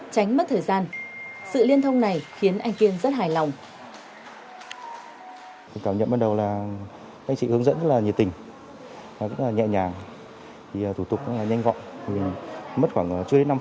tránh mất thời gian sự liên thông này khiến anh kiên rất hài lòng